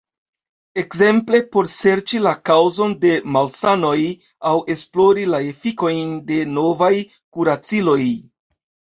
Ekzemple por serĉi la kaŭzon de malsanoj aŭ esplori la efikojn de novaj kuraciloj.